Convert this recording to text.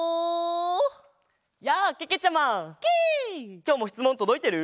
きょうもしつもんとどいてる？